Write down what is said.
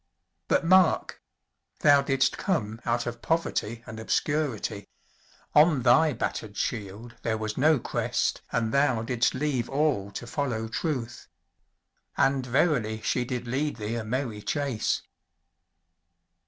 But mark! thou didst come out of poverty and obscurity: on thy battered shield there was no crest and thou didst leave all to follow truth. And verily she did lead thee a merry chase!